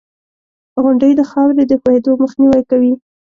• غونډۍ د خاورې د ښویېدو مخنیوی کوي.